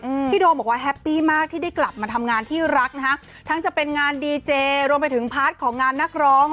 อืมพี่โดมบอกว่าแฮปปี้มากที่ได้กลับมาทำงานที่รักนะฮะทั้งจะเป็นงานดีเจรวมไปถึงพาร์ทของงานนักร้อง